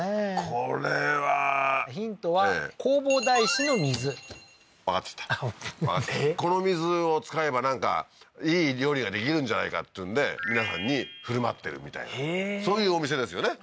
これはヒントは弘法大師の水わかっちゃったわかっちゃったこの水を使えばなんかいい料理ができるんじゃないかっていうんで皆さんに振る舞ってるみたいなへえーそういうお店ですよね